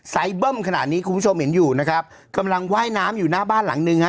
เบิ้มขนาดนี้คุณผู้ชมเห็นอยู่นะครับกำลังว่ายน้ำอยู่หน้าบ้านหลังนึงฮะ